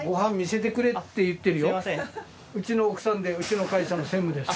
うちの奥さんでうちの会社の専務です。